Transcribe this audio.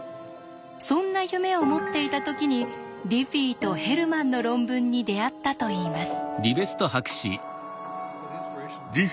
そんな夢を持っていた時にディフィーとヘルマンの論文に出会ったといいます。